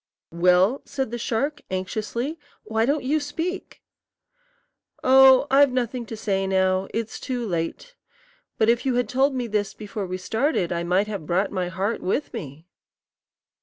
"Well?" said the shark, anxiously; "why don't you speak?" "Oh, I've nothing to say now. It's too late. But if you had told me this before we started, I might have brought my heart with me."